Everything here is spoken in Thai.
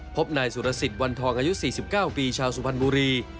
พบนายสุรสิทธิ์วันทองอายุ๔๙ปีชาวสุพรรณบุรี